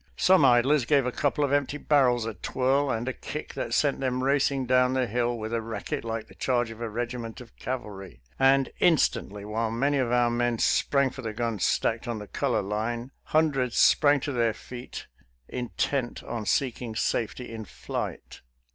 Some idlers gave a couple of empty barrels a twirl and a kick that sent them racing down the hill with a racket like the charge of a regiment of cavalry, and instantly, while many of our men sprang for the guns stacked on the color line, hundreds sprang to their feet intent on seeking safety in flight.